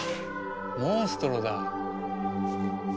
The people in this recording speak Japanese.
モンストロだ。